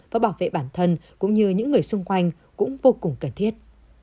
và bảo vệ bản thân cũng như những người xung quanh cũng vô cùng cần thiết